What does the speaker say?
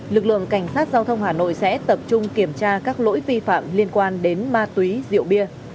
lực lượng cảnh sát giao thông hà nội sẽ tập trung kiểm tra các lỗi vi phạm liên quan đến ma túy rượu bia